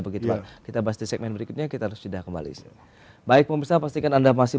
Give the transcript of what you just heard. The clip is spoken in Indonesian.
begitu kita bahas di segmen berikutnya kita harus sudah kembali baik pemerintah pastikan anda masih